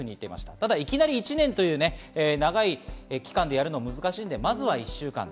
ただ、いきなり１年という長い期間でやるのは難しいので、まずは１週間。